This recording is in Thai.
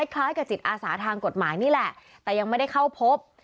คล้ายกับจิตอาสาทางกฎหมายนี่แหละแต่ยังไม่ได้เข้าพบ